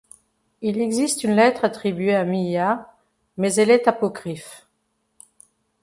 Il existe une lettre attribuée à Myia, mais elle est apocryphe.